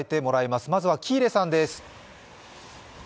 まずは喜入さんです。